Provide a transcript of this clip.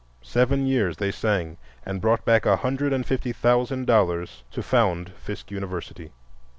Seven years they sang, and brought back a hundred and fifty thousand dollars to found Fisk University.